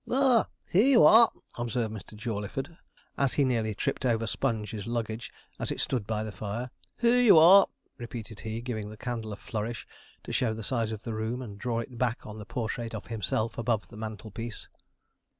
'Ah! here you are,' observed Mr. Jawleyford, as he nearly tripped over Sponge's luggage as it stood by the fire. 'Here you are,' repeated he, giving the candle a flourish, to show the size of the room, and draw it back on the portrait of himself above the mantelpiece.